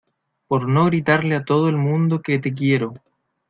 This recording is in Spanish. por no gritarle a todo el mundo que te quiero